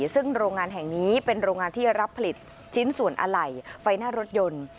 ซึ่งโรงงานแห่งนี้เป็นโรงงานที่รับผลิตชิ้นส่วนอะไหล่ไฟหน้ารถยนต์